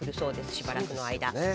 しばらくの間。